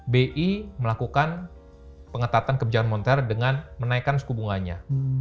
bi melakukan pengetatan kebijakan moneter dengan menaikkan suku bunganya